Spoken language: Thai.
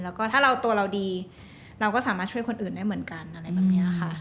แล้วก็ถ้าเราตัวเราดีเราก็สามารถช่วยคนอื่นได้เหมือนกันอะไรแบบนี้ค่ะ